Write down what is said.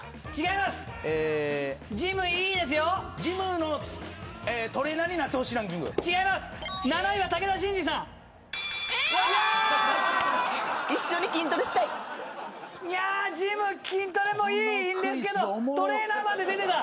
ジム筋トレもいいんですけどトレーナーまで出てた。